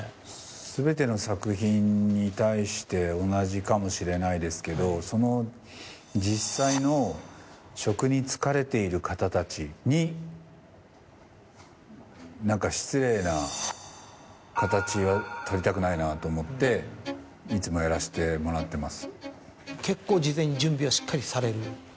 全ての作品に対して同じかもしれないですけどその実際の職に就かれている方たちに何か失礼な形はとりたくないなと思っていつもやらせてもらってます。